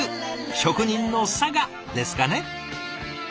職人のさがですかね。